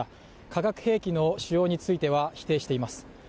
化学兵器の使用については否定しています。